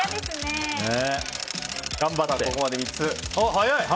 ここまで３つ。